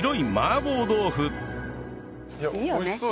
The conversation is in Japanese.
いや美味しそう。